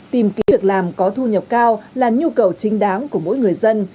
tìm kiếm việc làm có thu nhập cao là nhu cầu chính đáng của mỗi người dân